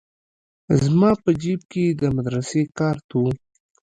زما په جيب کښې د مدرسې کارت و.